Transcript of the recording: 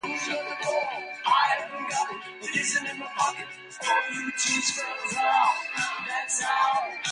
Most of these cuisine are sold at road-side stalls, known as "hawker food".